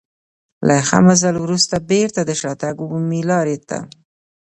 له ښه مزل وروسته بېرته د شاتګ عمومي لارې ته.